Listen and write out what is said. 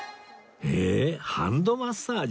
えハンドマッサージ？